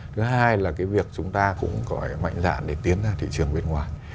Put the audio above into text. thứ hai là cái việc chúng ta cũng có cái mạnh dạn để tiến ra thị trường bên ngoài